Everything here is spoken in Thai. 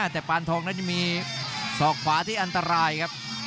แต่ปานทองนั้นยังมีศอกขวาที่อันตรายครับ